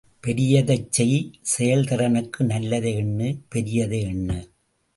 பெரியதைச் செய் செயல்திறனுக்கு நல்லதை எண்ணு, பெரியதை எண்ணு.